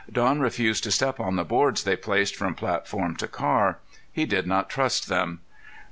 Don refused to step on the boards they placed from platform to car. He did not trust them.